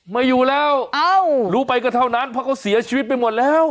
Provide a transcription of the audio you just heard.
ไม่อยู่แล้วรู้ไปก็เท่านั้นเพราะเขาเสียชีวิตไปหมดแล้ว